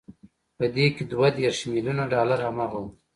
په دې کې دوه دېرش ميليونه ډالر هماغه وو.